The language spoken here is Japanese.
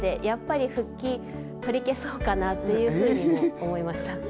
やっぱり復帰取り消そうかなというふうにも思いました。